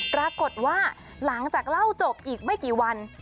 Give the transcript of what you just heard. ปรากฏว่าหลังจากเล่าจบอีกไม่กี่วัน